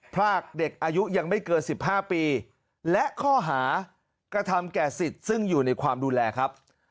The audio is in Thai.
พรากเด็กอายุยังไม่เกิน๑๕ปีและข้อหากระทำแก่สิทธิ์ซึ่งอยู่ในความดูแลครับ